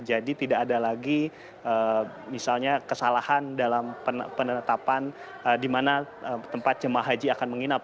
jadi tidak ada lagi misalnya kesalahan dalam penetapan di mana tempat jemah haji akan menginap